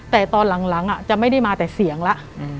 แต่ตอนหลังจะไม่ได้มาแต่เสียงแล้ว